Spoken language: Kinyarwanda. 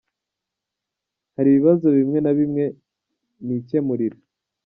Hari ibibazo bimwe na bimwe nikemurira.